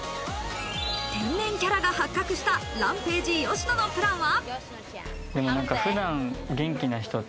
天然キャラが発覚したＲＡＭＰＡＧＥ・吉野のプランは。